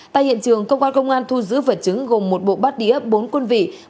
tại hiện trường công an công an thu giữ vật chứng gồm một bộ bắt đĩa bốn quân vị